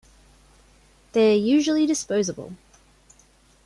They are usually disposable.